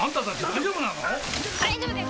大丈夫です